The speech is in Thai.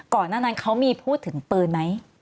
ก่อนหน้านั้นเขามีพูดถึงปืนไหม